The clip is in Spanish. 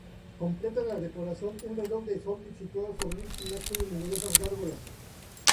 Completan la decoración un reloj de sol situado sobre un pináculo y numerosas gárgolas.